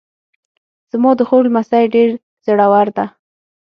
زما د خور لمسی ډېر زړور ده